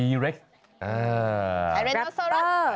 อิรินอสโซรัส